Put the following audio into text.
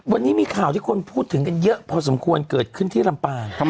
วันนี้มีข่าวที่คนพูดถึงกันเยอะพอสมควรเกิดขึ้นที่ลำปาง